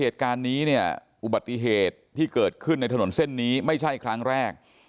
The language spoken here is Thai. เหตุการณ์นี้เนี่ยอุบัติเหตุที่เกิดขึ้นในถนนเส้นนี้ไม่ใช่ครั้งแรก